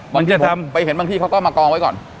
บางทีผมไปเห็นบางที่เขาก็มากองไว้ก่อน